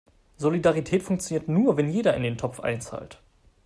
Solidarität funktioniert nur, wenn jeder in den Topf einzahlt.